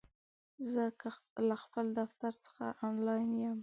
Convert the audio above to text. زه له خپل دفتر څخه آنلاین یم!